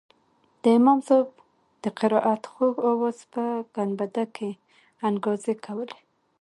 د امام صاحب د قرائت خوږ اواز په ګنبده کښې انګازې کولې.